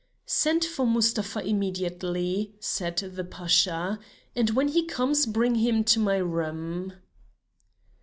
"Send for Mustapha immediately," said the Pasha, "and when he comes bring him to my room."